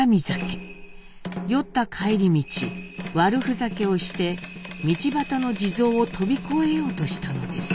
酔った帰り道悪ふざけをして道端の地蔵を飛び越えようとしたのです。